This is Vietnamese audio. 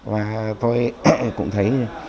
và tôi cũng thấy